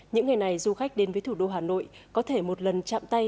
những ngày này du khách đến với thủ đô hà nội có thể một lần chạm tay